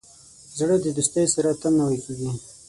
زړه د دوستۍ سره تل نوی کېږي.